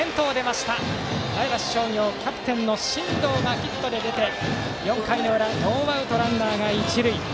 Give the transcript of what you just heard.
前橋商業キャプテンの真藤がヒットで出て４回の裏ノーアウトランナー、一塁。